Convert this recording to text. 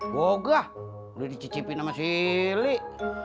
goga udah dicicipin sama si lih